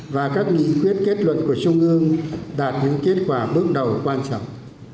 và các nghị quyết kết luận của trung ương đạt những kết quả bước đầu quan trọng